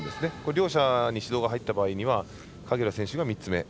両者に指導が入った場合には影浦選手が３つ目。